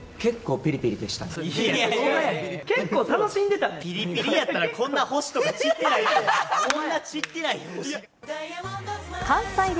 ぴりぴりやったら、こんな星とか散ってないって。